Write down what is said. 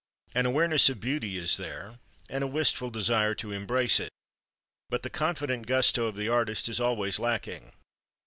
An awareness of beauty is there, and a wistful desire to embrace it, but the confident gusto of the artist is always lacking.